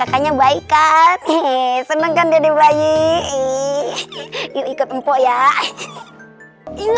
aku yang ngambil perhatian